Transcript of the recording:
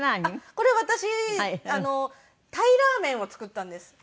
これ私鯛ラーメンを作ったんです。